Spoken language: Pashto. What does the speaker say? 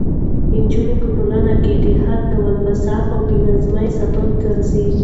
نجونې په ټولنه کې د هر ډول فساد او بې نظمۍ سبب ګرځي.